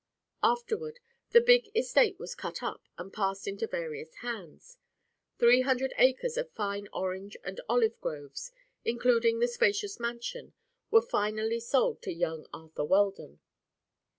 Afterward the big estate was cut up and passed into various hands. Three hundred acres of fine orange and olive groves, including the spacious mansion, were finally sold to young Arthur Weldon.